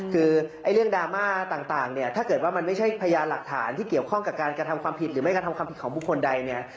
คือเรื่องดราม่าต่างเนี่ยถ้าเกิดว่ามันไม่ใช่พยานหลักฐานที่เกี่ยวข้องกับการกระทำความผิดหรือไม่กระทำความผิดของบุคคลใดเนี่ย